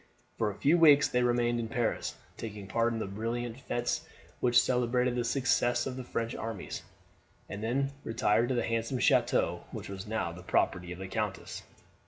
For a few weeks they remained in Paris, taking part in the brilliant fetes which celebrated the success of the French arms, and they then retired to the handsome chateau which was now the property of the countess.